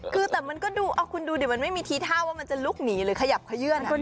คือแต่มันก็ดูเอาคุณดูดิมันไม่มีทีท่าว่ามันจะลุกหนีหรือขยับขยื่นนะ